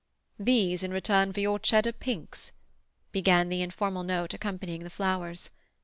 "These in return for your Cheddar pinks," began the informal note accompanying the flowers.